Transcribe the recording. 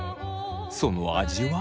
その味は？